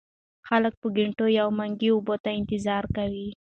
خلک په ګېنټو يو منګي اوبو ته انتظار کوي ـ